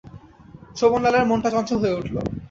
শোভনলালের মনটা চঞ্চল হয়ে উঠল।